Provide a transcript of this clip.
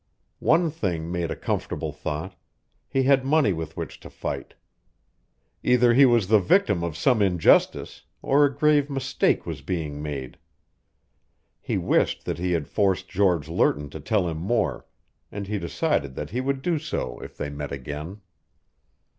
One thing made a comfortable thought he had money with which to fight. Either he was the victim of some injustice, or a grave mistake was being made. He wished that he had forced George Lerton to tell him more, and he decided that he would do so if they met again.